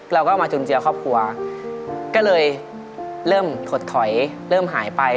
เราก็เอามาจุนเจือครอบครัวก็เลยเริ่มถดถอยเริ่มหายไป